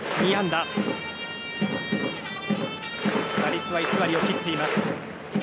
打率は１割を切っています。